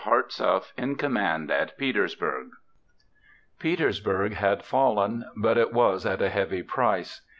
Hartsuff in command at Petersburg. Petersburg had fallen, but it was at a heavy price.